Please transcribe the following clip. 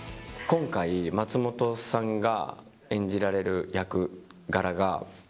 今回、松本さんが演じられる役柄が。